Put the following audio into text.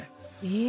え？